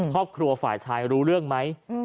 ครอบครัวฝ่ายชายรู้เรื่องไหม